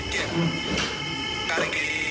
ต้องกินตาย